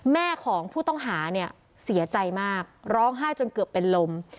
แม่ของผู้ต้องหาเนี่ยเสียใจมากร้องไห้จนเกือบเป็นลม